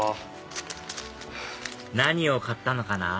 何を買ったのかな？